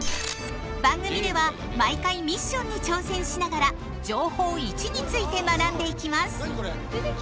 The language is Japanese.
番組では毎回ミッションに挑戦しながら「情報Ⅰ」について学んでいきます。